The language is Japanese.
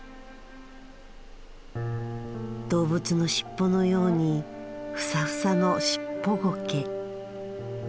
動物の尻尾のようにフサフサのシッポゴケ。